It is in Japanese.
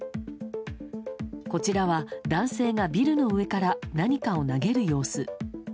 こちらは男性がビルの上から何かを投げる様子。